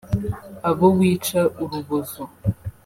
abo wica urubozo